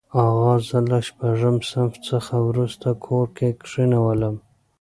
اغا زه له شپږم صنف څخه وروسته کور کې کښېنولم.